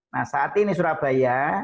nah saat ini surabaya